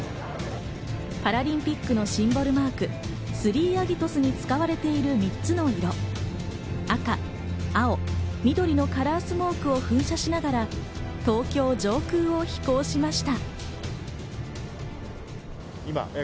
パラリンピックのシンボルマーク、スリーアギトスに使われている３つの色、赤、青、緑のカラースモークを噴射しながら東京上空を飛行しました。